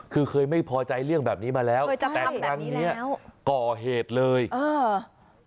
คือเคยไม่พอใจเรื่องแบบนี้มาแล้วแต่ครั้งเนี้ยก่อเหตุเลยเออ